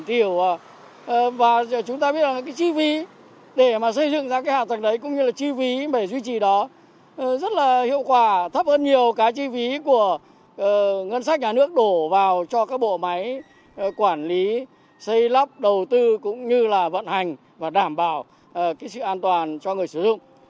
quản lý xây lắp đầu tư cũng như là vận hành và đảm bảo sự an toàn cho người sử dụng